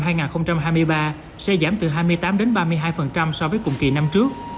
kim ngạch xuất khẩu gỗ và sản phẩm gỗ ước đạt ba mươi hai so với cùng kỳ năm trước